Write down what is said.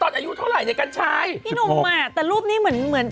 จากวุ้นเส้นจากพี่วุน